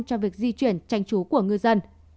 cho việc di chuyển tranh trú của ngư dân